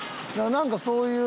なんかそういう。